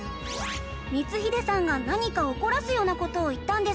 光秀さんが何か怒らすような事を言ったんですか？